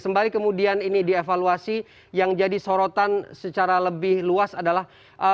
sembari kemudian ini dievaluasi yang jadi sorotan secara lebih luas adalah